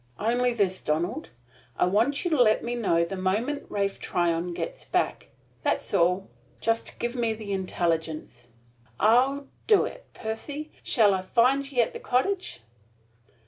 "Only this, Donald: I want you to let me know the moment Ralph Tryon gets back. That's all. Just give me the intelligence." "I'll do it, Percy. Shall I find ye at the cottage?"